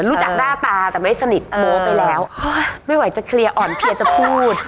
หน้าตาแต่ไม่สนิทโบ๊ไปแล้วไม่ไหวจะเคลียร์อ่อนเพลียจะพูด